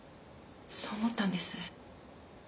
そう思ったんです。